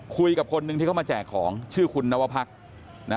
คนหนึ่งที่เขามาแจกของชื่อคุณนวพักนะ